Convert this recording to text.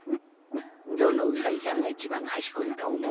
どのうさぎさんがいちばんかしこいとおもう？